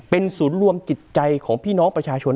เป็นศูนย์รวมจิตใจของพี่น้องประชาชน